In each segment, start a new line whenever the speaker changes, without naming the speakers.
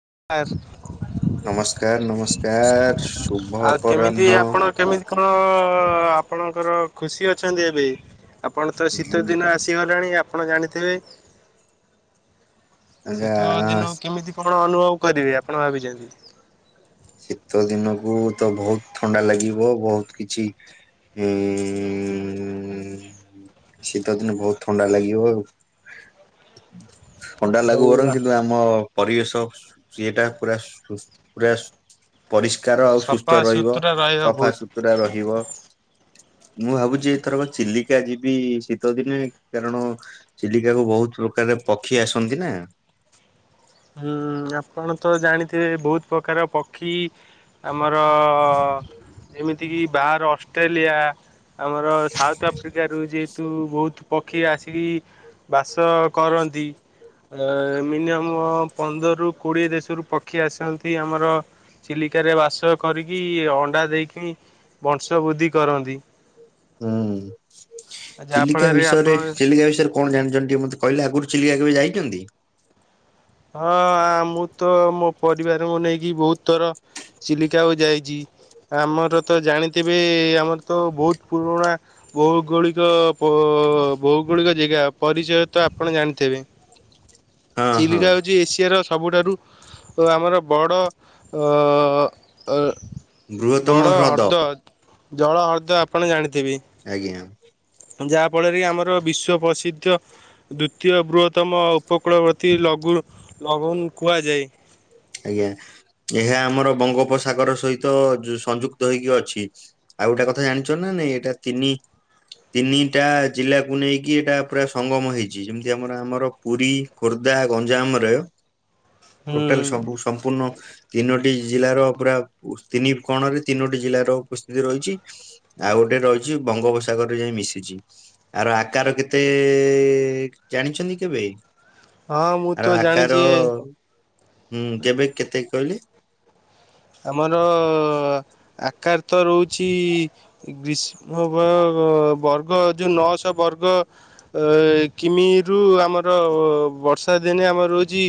IAS
ନମସ୍କାର ନମସ୍କାର ଶୁଭ ଅପରାହ୍ନ।
ତ ଆପଣଙ୍କର ଖୁସି ଅଛନ୍ତି ଏବେ ଆପଣ ତ ଶୀତ
ଉଁ,
ଦିନ ଆସିଗଲାଣି। ଆ ପଣ ଜାଣିଥିବେ
ଆଜ୍ଞା
ଶୀତ ଦିନ କେମିତି କ ଆପଣ ଅନୁଭବ କରିବେ ଆପଣ ଭାବିଚନ୍ତି।
ଶୀତ ଦିନକୁ ତ ବୋହୁତ ଥଣ୍ଡା ଲାଗିବ ବୋହୁତ କିଛି [unintelligible] ଶୀତ ଦିନେ ବୋହୁତ ଥଣ୍ଡା ଲାଗିବ ଆଉ। ଥଣ୍ଡା
ଆଉ
ଲାଗୁ ବଂର କିନ୍ତୁ ଆମ ପରିବେଶ ସୁସ୍ ଇଏଟା ପୁରା ସୁସ୍ ପୁରା ସୁ ପରିଷ୍କାର ଆଉ ସୁସ୍ଥ
ସଫା
ରହିବ।
ସୁୁତୁରା ରହିବ
ସଫା
ବହୁତ।
ସୁତୁରା ରହିବ। ମୁଁ ଭାବୁଚି ଏଥରକ ଚିଲିକା ଯିବି ଶୀତ ଦିନେ କାରଣ ଚିଲିକା କୁ ବୋହୁତ ପ୍ରକାର ପକ୍ଷୀ ଆସନ୍ତି ନା?
ହୁଁ ଆପଣ ତ ଜାଣିଥିବେ ବୋହୁତ ପ୍ରକାର ପକ୍ଷୀ ଆଉ ଆମର ଯେମିତିକି ବାହହାର ଅଷ୍ଟ୍ରେଲିଆ। ଆମର ସାଉଥଆଫ୍ରିକରୁ ଯେହେତୁ ବୋହୁତ ପ କ୍ଷୀ ଆସିକି ବାସ କରନ୍ତି ମିନିଅମ୍ ପନ୍ଦରରୁ କୋଡିଏ ଦେଶରୁ ପକ୍ଷୀ ଆସନ୍ତି। ଆମର ଚିଲିକାରେ ବାସ କରିକି ଅଣ୍ଡା ଦେଇକି ବଂଶ ବୃଦ୍ଧି କରନ୍ତି।
ହୁଁ ଚିଲିକା
ଯାହାଫଳରେ
ବିଷୟରେ
ଆପଣ
ଚିଲିକା ବିଷୟରେ କଣ ଜାଣି ତାହେନେ [unintelligible] ମତେ ଟିକେ କହିଲେ ଆଗରୁ ଚିଲିକା କେବେ ଯାଇଚନ୍ତି?
ହଁ ଆ ମୁଁ ତ ମୋ ପରିବାରଙ୍କୁ ନେଇକି ବୋହୁତ ଥର ଚିଲିକାକୁ ଯାଇଛି। ଆମର ତ ଜାଣିଥିବେ ଆମର ତ ବହୁତ ପୁରୁଣା ଭୌଗୋଳିକ ଭୋ ଓ ଭୌଗୋଳିକ ଜାଗା ପରିଚୟ ତ ଆପଣ ଜାଣିଥିବେ।
ହଁ ହଁ
ଚିଲିକା ହଉଛି ଏସିଆ ର ସବୁଠାରୁ ଆମର ବଡ଼। ଅ ବଡ ହ୍ରଦ ଜଳ ହ୍ରଦ୍ଦ ଆପଣ ଜାଣିଥ
ଆଜ୍ଞା।
ଯାହାଫଳରେ କି ଆମର ବିଶ୍ୱ ପ୍ରସିଦ୍ଧ ଦ୍ଵିତୀୟ ବୃହତ୍ତମ ଉପକୂଳବର୍ତୀ ଲଘୁ ଲଗନ କୁହାଯାଏ।
ଆଜ୍ଞା ଏହା ଆମର ବଙ୍ଗୋପସାଗର ସହିତ ସଂଯୁକ୍ତ ହେଇକି ଅଛି। ଆଉ ଗୋଟେ କଥା ଜାଣିଛ ନା ନାଇଁ ଏଇଟା ତିନି ତିନିଟା ଜିଲ୍ଲାକୁ ନେଇକି ଏଇଟା ପୁରା ସଙ୍ଗମ ହେଇଛି ଯେମିତି ଆମର ଆମର ପୁରୀ ଖୋର୍ଦ୍ଧା ଜା ଗଞ୍ଜାମ ରେ
ହୁଁ।
ସବୁ ସମ୍ପୂର୍ଣ୍ଣ ତିନୋଟି ଜିଲ୍ଲାର ପୁରା ତିନି କୋଣରେ ତିନୋଟି ଜିଲ୍ଲାର ଉପସ୍ଥିତି ରହିଛି ଆଉ ଗୋଟେ ରହିଛି ବଙ୍ଗୋପସାଗରରେ ଯାଇ ମିଶିଛି ଆର ଆକାର କେତେ ଜାଣିଛ। କେବେ
ହଁ ମୁଁ
ଆଉ
ତ
ଆକାର
ଜାଣିଛି
ହୁଁ କେବେ କେତେ କହିଲି?
ଆମର ଆକାର ତ ରହୁଛି ଗ୍ରୀଷ୍ମ ବର୍ଗ ଯୋଉ ନଅଶହ ବ ବର୍ଗ ଅ କିମିରୁ ଆମର ବର୍ଷା ଦିନେ ଆମର ରହୁଛି।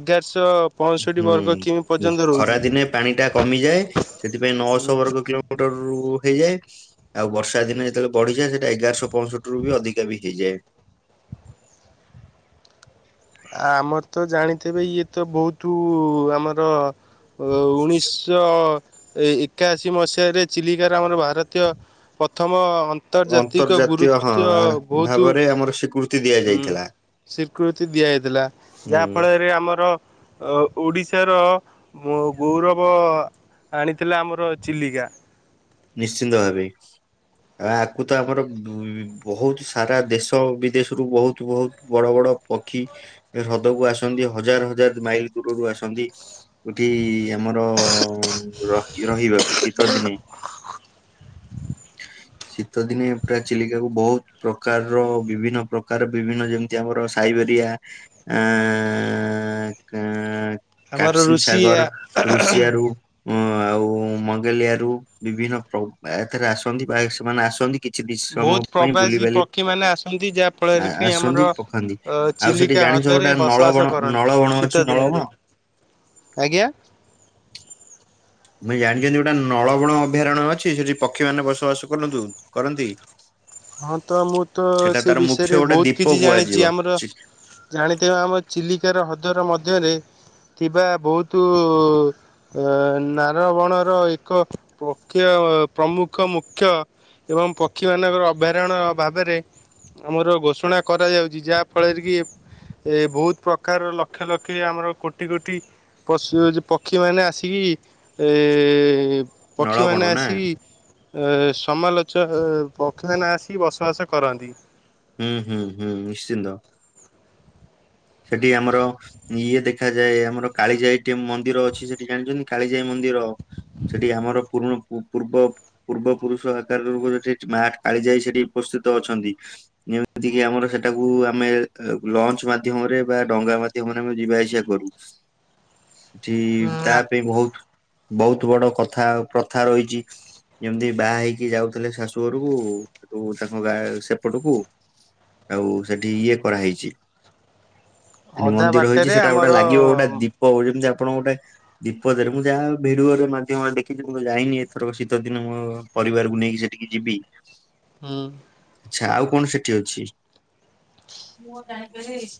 ଏଗାରଶହ ପଞ୍ଚଷଠି ବର୍ଗ କିମି
ହୁଁ
ପର୍ଯ୍ୟନ୍ତ
ଖରା
ରହୁଛି।
ଦିନେ ପାଣି ଟା କମିଯାଏ ସେଥିପାଇଁ ନଅଶହ ବର୍ଗ କିଲୋମିଟରରୁ ହିଁ - ହେଇଯାଏ ଆଉ ବର୍ଷା ଦିନ ଯେତେବେଳେ ବଢିଯାଏ ସେଇଟା ଏଗାରଶହ ପଞ୍ଚଷଠି ରୁ ବି ଅଧିକା ବି ହେଇଯାଏ। [inaudible]
ଆ ଆମର ତ ଜାଣିଥିବେ ଇଏ ତ ବହୁତ ଆମର। ଉଣୀଶ ଅ। ଏ ଏକାଅଶୀ ମସିହାରେ ଚିଲିକାର ଆମର ଭାରତୀୟ ପ୍ରଥମ- ଆନ୍ତର୍ଜାତିକ
ଅନ୍ତର୍ଜାତୀୟ ହଁ
ଗୁରୁତ୍ଵ
ଆ-
ବହୁତୁ
ଭାବରେ ଆମର ସ୍ୱୀକୃତି
ହୁଁ।
ଦିଆଯାଇଥିଲା।
ସ୍ଵୀକୃତି ଦିଆଯାଇଥିଲା।
ହୁଁ
ଯାହା ଫଳରେ ଆମର- ଓଡିଶାର ଗୌରବ- ଆଣିଥିଲା ଆମର ଚିଲିକା।
ନିଶ୍ଚିନ୍ତ ଭାବେ। ଆ କୁ ତ ଆମର ଉ ବହୁତ ସାରା ଦେଶ ବିଦେଶରୁୁ ବହୁତ ବହୁତ ବଡ ବଡ- [unintelligible] ପକ୍ଷୀ ଏ ହ୍ରଦକୁ ଆସନ୍ତି ହଜାର ହଜାର ମାଇଲ ଦୂରରୁ ଆସନ୍ତି ଉଠିଇ ଆମର ରହ-ରହିବାକୁ ଶୀତ ଦିନେ। [inaudible] ଶୀତ ଦିନେ ପ୍ରାୟ ଚିଲିକା କୁ ବୋହୁତ ପ୍ରକାରର ବିଭିନ୍ନ ପ୍ରକାର ବିଭିନ୍ନ ଯେମିତି ଆମର ସାଇ ହେରିଆ ଆଂ କା [unintelligible]
ଆମର
କାପସିନ୍
ଋଷିଆ
ସାଗର ରୁଷିଆରୁ ଉଁ ଆଉ ମଙ୍ଗେଲିଆରୁ ବିଭିନ୍ନ ପ୍ର ଏଥିରେ ଆସନ୍ତି। ବାଏ [unintelligible] ସେମାନେ ଆସନ୍ତି। କିଛି ଦି- ସମୟ
ବୋହୁତ
ପାଇଁ
ପ୍ରବାସୀ
ବୁଲିବାଲି
ପକ୍ଷୀ ମାନେ ଆସନ୍ତି। ଯାହାଫଳରେ
ଆ-
କି
ଆସନ୍ତି
ଆମର
ପକାନ୍ତି।
ଅ
ଆଉ
ଚିଲି
ସେଠି
କା
ଜାଣିଛ
ହ୍ରଦରେ
ଗୋଟା ନଳବଣ
ବସବାସ କରନ୍ତି
ନଳବଣ ଅଛି
ଶୀତ
ନଳବଣ?
ଦିନରେ ଆଜ୍ଞା।
ଜାଣିଚନ୍ତି ଗୋଟା ନଳବଣ ଅଭୟାରଣ୍ୟ ଅଛି। ସେଠି ପକ୍ଷୀ ମାନେ ବସବାସ କରନ୍ତୁ କରନ୍ତି।
ହଁ ତ ମୁଁ ତ
ସେଟା
ସେ
ତାର ମୁଖ୍ୟ
ବିଷୟରେ
ଗୋଟେ
ବୋହୁତ
ଦୀପ
କିଛି
କୁହାଯିବ।
ଜାଣିଚି। ଆମର
ଚି-
ଜାଣିଥିବେ ଆମ ଏ ଚିଲିକାର ହ୍ରଦର ମଧ୍ୟରେ ଥିବା ବୋହୁତୁ ଏ ନାରବଣର ଏକ ପକ୍ଷିୟ ପ୍ରମୁଖ ମୁଖ୍ୟ ଏବଂ ପକ୍ଷୀମାନଙ୍କର ଅଭୟାରଣ୍ୟ ଭାବରେ ଆମର ଘୋଷଣା କରାଯାଉଚି ଯାହାଫଳରେ କି ଏ ବୋହୁତ ପ୍ରକାର ଲକ୍ଷ ଲକ୍ଷ ଆମର କୋଟି କୋଟି ପଶୁ ଯେ ପକ୍ଷୀମାନେ ଆସିକି ଏ ପକ୍ଷୀ
ନଳବଣ
ମାନେ
ନା
ଆସିିକ ଏ ସମାଲୋଚ ପକ୍ଷି ମାନେ ଆସିି ବସବାସ କରନ୍ତି।
ହୁଁ ହୁଁ ହୁଁ ନିଶ୍ଚିନ୍ତ। ସେଠି ଆମର ଇଏ ଦେଖାଯାଏ। ଆମର କାଳିଜାଇଟି ମନ୍ଦିର ଅଛି ସେଠି ଜାଣିଚନ୍ତି କାଳିଜାଇ ମ ନ୍ଦିର? ସେଠି ଆମର ପୁରୁଣୁ ପୂ-ପୂର୍ବ ପୂର୍ବ ପୁରୁଷ ଆକାରରୁ [unintelligible] ସେଠି ମା କାଳିଯାଇ ସେଠି ଉପ ସେତ ଅଛନ୍ତି। ଯେମିତି ଆମର ସେଟାକୁ ଆମେ ଲଞ୍ଚ ମାଧ୍ୟମ- ମାଧ୍ୟମରେ ବା ଡଙ୍ଗା ମାଧ୍ୟମରେ ଆମେ ଯିବା ଆସିବା କରୁ। ଯେ ତା ପାଇଁ ବହୁତ। ବହୁତ ବଡ କଥା ପ୍ରଥା ରହିଛି। ଯେମିତି ବାହା ହେଇକି ଯାଉଥିଲେ ଶାଶୁଘରକୁ। ତାଙ୍କ ଗାଁ ସେପଟକୁ। ଆଉ ସେଠି ଇଏ କରାହେଇଛି।
ଅଧା
ମନ୍ଦିର ହେଇଛି।
ବାଟରେ
ସେଟା ଗୋଟେ
ଆମର
ଲାଗିବ ଗୋଟେ ଦୀପ ଯେମତି ଆପଣଙ୍କ ଗୋଟେ ଦୀପଦରେ ମୁଁ ଯାହା ଭିଡିଓରେ ମାଧ୍ୟମରେ ଦେଖିଛି। ମୁଁ ତ ଯାଇନି ଏଥର ଶୀତ ଦିନ ମୋ- ପରିବାରକୁ ନେଇକି ସେଠିକି ଯିବି।
ହୁଁ
ଆଛା ଆଉ କଣ ସେଠି ଅଛି?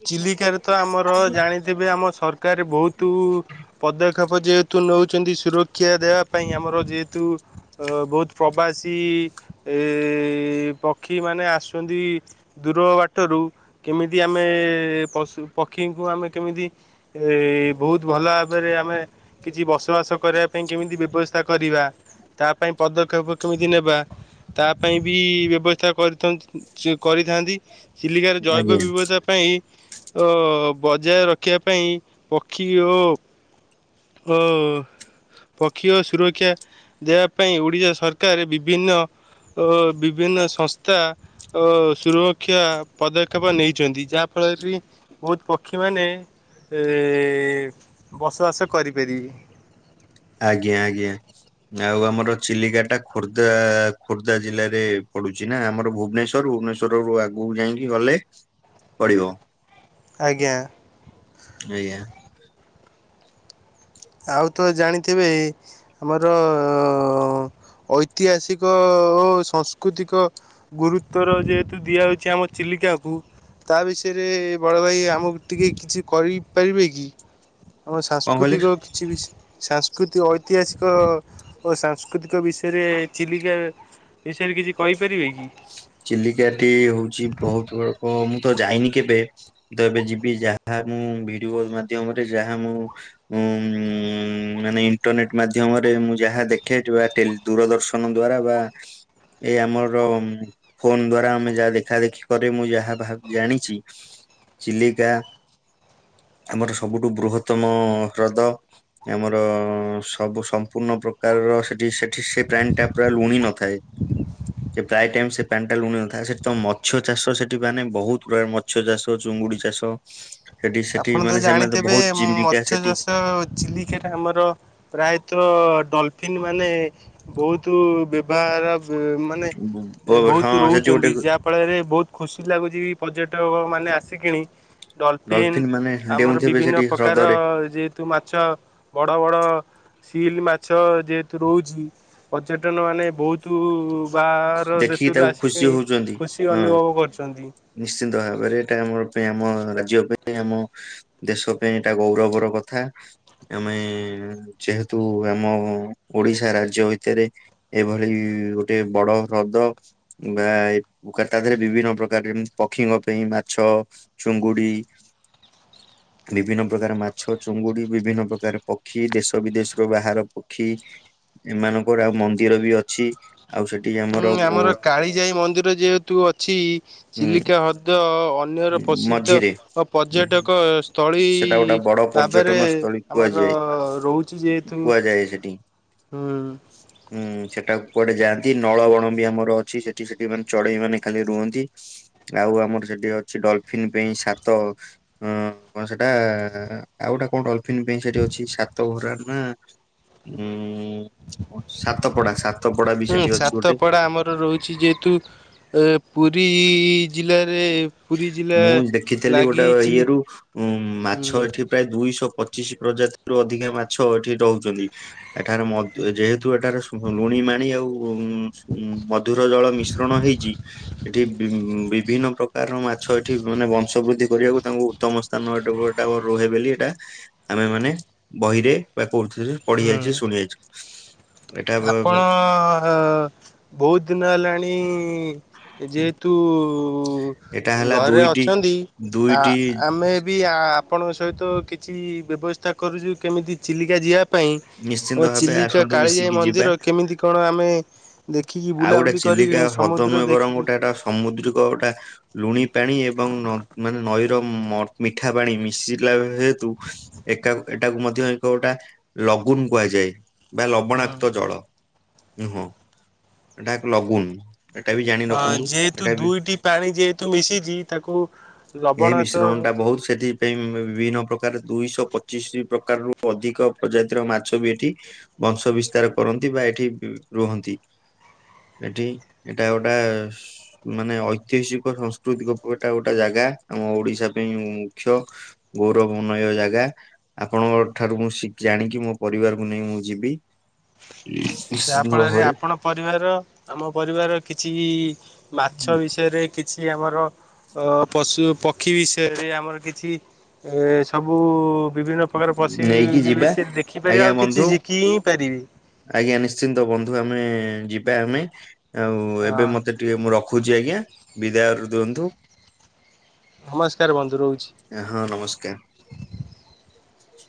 ଚିଲିକାରେ ତ ଆମର ଜାଣିଥିବେ ଆମ ସରକାର ବହୁତ ପଦକ୍ଷେପ ଯେହେତୁ ନେଉଛନ୍ତି ସୁରକ୍ଷା ଦେବା ପାଇଁ ଆମର ଯେହେତୁ ବହୁତ ପ୍ରବାସୀ- ଏ ପକ୍ଷୀ ମାନେ ଆସୁଛନ୍ତି ଦୂର ବାଟରୁ କେମିତି ଆମେ ପଶୁ ପକ୍ଷୀଙ୍କୁ ଆମେ କେମିତି ଏ ବହୁତ ଭଲ ଭାବରେ ଆମେ- କିଛି ବସବାସ କରିବା ପାଇଁ କେମିତି ବ୍ୟବସ୍ଥା କରିବା ତା ପାଇଁ ପଦକ୍ଷେପ - କେମିତି ନେବା ତା ପାଇଁ ବି ବ୍ୟବସ୍ଥା କରିଛନ୍ତି କରିଥାନ୍ତି। ଚିଲିକାରେ ଜୈବ
ଆଜ୍ଞା
ବିବିଧତା। ପାଇଁ ବଜାୟ ରଖିବା ପାଇଁ ପକ୍ଷୀ ଓ- ହଁ। ପକ୍ଷୀ ଓ ସୁରକ୍ଷା ଦେବା ପାଇଁ ଓଡ଼ିଶା ସରକାର ବିଭିନ୍ନ- ଓ ବିଭିନ୍ନ ସଂସ୍ଥା ସୁରକ୍ଷା ପଦକ୍ଷେପ ନେଇଛନ୍ତି। ଯାହାଫଳରେ- ଫଳରେବି ବହୁତ ପକ୍ଷୀ ମାନେ ଏ ବସବାସ- କରିପାରିବି।
ଆଜ୍ଞା ଆଜ୍ଞା। ଆଉ ଆମର ଚିଲିକାଟା ଖୋର୍ଦ୍ଧା ଖୋର୍ଦ୍ଧା ଜିଲ୍ଲାରେ ପଡୁଛି। ନା ଆମର ଭୁବନେଶ୍ୱରରୁ ଭୁବନେଶ୍ୱରରୁୁ ଆଗକୁ ଯାଇକି ଗଲେ ପଡିବ।
ଆଜ୍ଞା।
ଆଜ୍ଞା।
ଆଉ ତ ଜାଣିଥିବେ ଆମର। ଐତିହାସିକ ଓ ସଂସ୍କୃତିକ ଗୁରୁତର ଯେହେତୁ ଦିଆହଉଛି ଆମ ଚିଲି- [unintelligible] ତା ବିଷୟରେ ବଡ ଭାଇ ଆମକୁ ଟିକେ କିଛି କହିପାରିବେ କି? ଆଉ
କଣ କହିଲେ
ସାଂସ୍କୃତିକ। କି ସାଂସ୍କୃତିକ ଐତିହାସିକ ଓ ସାଂସ୍କୃତିକ ବିଷୟରେ ଚିଲିକା ବିଷୟରେ କିଛି କହିପାରିବେ କି?
ଚିଲିକାଟି ହୋଉଚି ବୋହୁତ [unintelligible] ମୁଁ ତ ଯାଇନି କେବେ, ମୁଁ ତ ଏବେ ଯିବି ଯାହା ମୁଁ ଭିଡିଓ ମାଧ୍ୟମରେ ଯାହା ମୁଁ ଉଁ ମାନେ ଇଟରନେଟ୍ ମାଧ୍ୟମ ମୁଁ ଯାହା ଦେଖେ ବା ଦୂରଦର୍ଶନ ଦ୍ଵାରା ବା ଏଇ ଆମର। ଫୋନ ଦ୍ଵାରା ଆମେ ଯାହା ଦେଖା ଦେଖି କରେ ମୁଁ ଯାହା ଭାବ ଜାଣିଛି। ଚିଲିକା। ଆମର ସବୁଠୁ ବୃହତ୍ତମ ହ୍ରଦ ଆମର ସବୁ ସମ୍ପୂର୍ଣ୍ଣ ପ୍ରକାର। ସେଠି ସେଠି ସେ ପ୍ରାଣୀ ଟା ପୁରା ଲୁଣି ନଥାଏ ପ୍ରାୟ ଟାଇମ ସେ - ପ୍ୟାଣ୍ଟା ଲୁଣି ନଥାଏ ସେଠି ତ ମଛ୍ୟ ଚାଷ ସେଠି ମାନେ ବୋହୁତ ପ୍ରକାର ମଛ୍ୟ ଚାଷ ଚୁଙ୍ଗୁଡି ଚାଷ ସେଠି ସେଠି
ଆପଣ ତ
ମାନେ ସେମାନେ
ଜାଣିଥିବେ
ବହୁତ ଜୀବିକା
ମଛ୍ୟ
ସେଠି
ଚାଷ ଚିଲିକାରେ ଆମର ପ୍ରାୟତଃ ଡଲଫିନ୍ ମାନେ ବୋହୁତ ବ୍ୟବହାର ସେ ମାନେ
ବ- ହଁ
ବୋହୁତ
ସେଠି ଗୋଟେ
ରହୁଚନ୍ତି ଯାହାଫଳରେ ବୋହୁତ ଖୁସି ଲାଗୁଚି। ପର୍ଯ୍ୟଟକମାନେେ ଆସିକିଣି ଡଲଫିନ୍
ଡଲଫିନ ମାନେ
ଆମର
ଡେଉଁଥିବେ
ବିଭିନ୍ନ
ସେଠି
ପ୍ରକାର
ହ୍ରଦରେ
ଯେହେତୁ ମାଛ ବଡ ବଡ ସିଲ୍ ମାଛ ଯେହେତୁ ରହୁଚି ପର୍ଯ୍ୟଟନ ମାନେ ବୋହୁତୁ ବାହାର
ଦେଖିକି
ଦେଶରୁ
ତାକୁ ଖୁସି
ଆସିକିଣି
ହଉଛନ୍ତି
ଖୁସି
ହଁ
ଅନୁଭବ କରୁଚନ୍ତି।
ନିଶ୍ଚିନ୍ତ ଭବାରେ ଏଟା ଆମର ପେ ଆମ ରାଜ୍ୟ ପାଇଁ ଆମ ଦେଶ ପାଇଁ ଏଇଟା ଗୌରବର କଥା। ଆମେ ଯେହେତୁ ଆମ ଓଡିଶା ରାଜ୍ୟ ଭିତରେ ଏଭଳି ଗୋଟେ ବଡ ହ୍ରଦ ବା ଏ କା ତା ଦେହରେ ବିଭିନ୍ନ ପ୍ର କାରେଣ ପକ୍ଷୀଙ୍କ ପାଇଁ ମାଛ ଚୁଙ୍ଗୁଡି ବିଭିନ୍ନ ପ୍ରକାର ମାଛ ଚୁଙ୍ଗୁଡି ବିଭିନ୍ନ ପ୍ରକାର ପକ୍ଷୀ ଦେଶ ବିଦେଶରୁ ବାହାର ପକ୍ଷୀ ଏମାନଙ୍କର ଆଉ ମନ୍ଦିର ବି ଅଛି। ଆଉ ସେଠି
ହୁଁ
ଉ
ଆମର କାଳିଜାଇ ମନ୍ଦିର ଯେହେତୁ ଅଛି।
ଉଁ
ଚିଲିକା ହ୍ରଦ ଅନ୍ୟର ପ୍ରସିଦ୍ଧ
ମଝିରେ
ପର୍ଯ୍ୟଟକ ସ୍ଥଳି।
ସେଟା ଗୋଟେ ବଡ
ତାପରେ
ପର୍ଯ୍ୟଟନ ସ୍ଥଳୀ
ଆମର
କୁହାଯାଏ
ରହୁଚି ଯେହେତୁ
କୁହାଯାଏ ସେଠି।
ହୁଁ।
ଉଁ ସେଟା କୁଆଡେ ଯାଆନ୍ତି। ନଳବଣ ବି ଆମର ଅଛି। ସେଠି ସେଠି ମାନେ ଚଢେଇ ମାନେ ଖାଲି ରୁହନ୍ତି। ଆଉ ଆମର ସେଠି ଅଛି ଡଲଫିନ୍ ପାଇଁ ସାତ ଅଁ କଣ ସେଟା ଆ ଆଉ ଗୋଟା କଣ ଡଲଫ ଫିନ ପାଇଁ ସେଠି ଅଛି ସାତ ଘୋରା ନା ଉଁ ସାତପଡା ସାତପଡା ବି
ହୁଁ
ସେଠି ଅଛି ଗୋଟେ।
ସାତ ପଡା ଆମର ରହୁଚି ଯେହେତୁ ଏ ପୁରୀ ଜିଲ୍ଲା ପୁରୀ
ମୁଁ ଦେଖିଥିଲି ଗୋଟେ
ଲାଗି ଚିଲି
ଇଏରୁ ଉଁ ମାଛ
ହୁଁ
ଏଠି ପ୍ରାୟ ଦୁଇଶହ ପଚ ପଚିସି ପ୍ରଜାତି ରୁ ଅଧିକା ମାଛ ଏଠି ରହୁଚନ୍ତି। ଏଠାରେ ମଦୁ ଯେହେତୁ ଏଠାରେ ସ ଲୁଣି ମାଣି ଆଉ ଉ ମଧୁର ଜଳ ମିଶ୍ରଣ ହେଇ ଇଚି ଏଠି ମ୍ କାର ମାଛ ଏଠି ମାନେ ବଂଶ ବୃଦ୍ଧି କରିବାକୁ ତାଙ୍କୁ ଉତ୍ତମ ସ୍ଥାନଟା [unintelligible] ରୁହେ ବୋଲି ଏଇଟା ଆମେ ମାନେ ବହିରେ ବା କୋଉ ଥିରେ ପଢି
ହୁଁ।
ଆଇଚୁ ଶୁଣି ଯାଇଚୁ।
ଆପଣ ବହୁତ ଦିନ ହେଲାଣି ଯେହେତୁ-
ଏଟା ହେଲା
ଘରେ
ଦୁଇଟି
ଅଛନ୍ତି ଆ
ଦୁଇଟି
ଆମେ ବି- ଆପଣଙ୍କ ସହିତ କିଛି ବ୍ୟବସ୍ଥା କରୁଛୁ କେମିତି ଚିଲିକା ଯିବା - ପାଈଁ
ନିଶ୍ଚିନ୍ତ
ଓ
ଭାବେ
ଚିଲିକା
ଆସନ୍ତୁ ମିଶିକି ଯିବା
କାଳିଯାଇମନ୍ଦିର କେମିତି କଣ ଆମେ- ଦେଖିକି
ଆଉ ଗୋଟେ
ବୁଲାବୁଲି
ଚିଲିକା
କରିକିଣି
ହ୍ରଦ
ସମୁଦ୍ର
ନୁହେଁ ବରଂ
ଦେଖିକି
ଗୋଟେ ଗୋଟା ସାମୁଦ୍ରିକ ଗୋଟେ ଲୁଣି ପାଣି ଏ- ଏବଂ ମାନେ ନଈର ମିଠା ପାଣି ମିଶିଲା ହେତୁ ଏକା- ଏଇଟାକୁ ମଧ୍ୟ ଏକ ଗୋଟା ଲଗୁନ କୁହାଯାଏ ବା ଲବଣାକ୍ତ ଜଳ। ଉ ହଁ ଏହା ଏକ ଲଗୁନ। ଏଟା ବି ଜାଣି
ଅ
ରଖନ୍ତୁ
ଯେହେତୁ
ଏଟା ବି
ଦୁଇଟି ପାଣି ଯେହେତୁ ମିଶିଛି ତାକୁ
ଏହି
ଲବଣତ-
ମିଶ୍ରଣ ଟା ବହୁତ ସେଠି ପାଇଁ ବିଭିନ୍ନ ପ୍ରକାର ଦୁଇଶହ ପଚିଶି ପ୍ରକାର ରୁ ଅଧିକ ପ୍ରଜାତିର ମାଛ ବି ଏଠି ବଂଶ ବିସ୍ତାର କରନ୍ତି ବା ଏଠି ରୁହନ୍ତି। ଏଠି ଏଟା ଗୋଟା ମାନେ ଐତିହାସିକ ସଂସ୍କୃତିକ ଉପ ଏଟା ଗୋଟେ ଜାଗା। ଆମ ଓଡିଶା ପାଇଁ ମୁଖ୍ୟ ଗୌରବମୟ ଜାଗା ଆପଣଙ୍କ ଠାରୁ ମୁଁ ଶିକ୍ଷି- ଜାଣିକି ମୋ ପରିବାରକୁ ନେଇ ମୁଁ ଯିବି।
ଯାହା
ନିଶ୍ଚିନ୍ତ
ଫଳରେ
ଭାବରେ।
ଆପଣ ପରିବାର ଆମ ପରିବାର କିଛି ମାଛ ବିଷୟରେ କିଛି ଆମର ଅ ପଶୁ ପକ୍ଷୀ ବିଷୟରେ ଆମର କିଛି ଏ ସବୁ ବିଭିନ୍ନ ପ୍ରକାର ପଶି
ନେଇକି
ବି
ଯିବା।
ସେ ଦେଖିପାରିବେ
ଆଜ୍ଞା
ଆଉ
ବନ୍ଧୁ
କିଛି ଶିଖି ହିଁ ପାରିବେ।
ଆଜ୍ଞା ନିଶ୍ଚିନ୍ତ ବନ୍ଧୁ ଆମେ ଯିବା ଆମେ। ଆଉ ଏବେ
ହଁ
ମତେ ଟିକେ ମୁ ରଖୁ- ରଖୁଛି ଆଜ୍ଞା ବିଦାୟରୁ ଦିଅନ୍ତୁ।
ନମସ୍କାର ବନ୍ଧୁ ରହୁଛି।
ହଁ ନମସ୍କାର।